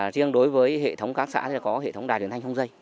riêng đối với hệ thống các xã thì có hệ thống đài truyền thanh không dây